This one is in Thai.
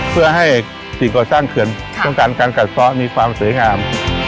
เพื่อให้สิ่งก่อสร้างเขื่อนต้องการการกัดซ้อมีความสวยงาม